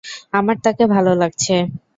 আমার তাকে ভালো লাগছে।